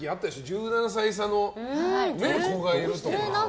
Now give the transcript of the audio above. １７歳差の子がいるとか。